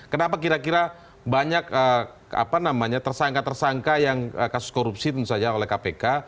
kenapa kira kira banyak tersangka tersangka yang kasus korupsi tentu saja oleh kpk